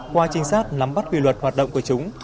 qua trinh sát nắm bắt kỷ luật hoạt động của chúng